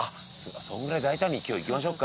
それぐらい大胆に今日いきましょうか。